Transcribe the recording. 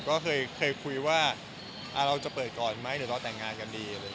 ก็เคยคุยว่าเราจะเปิดก่อนไหมเดี๋ยวเราแต่งงานกันดี